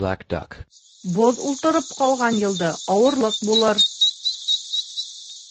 Боҙ ултырып ҡалған йылды ауырлыҡ булыр.